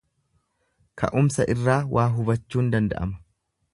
Ka'umsa irraa waa hubachuun danda'ama.